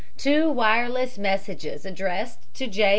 Two wireless messages addressed to J.